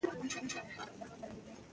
که مهال ویش وي نو درسونه نه ګډوډیږي.